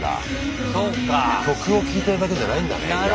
曲を聴いてるだけじゃないんだねイヤホンで。